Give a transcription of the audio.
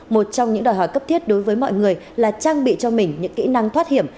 một trong những đòi hỏi cấp thiết đối với mọi người là trang bị cho mình những kỹ năng thoát hiểm